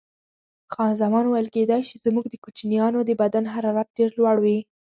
خان زمان وویل: کېدای شي، زموږ د کوچنیانو د بدن حرارت ډېر لوړ وي.